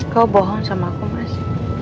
kau bohong sama aku mas